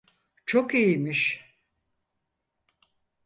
Çok iyiymiş.